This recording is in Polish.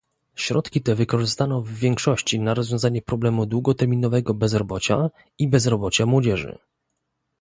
Środki te wykorzystano w większości na rozwiązanie problemu długoterminowego bezrobocia i bezrobocia młodzieży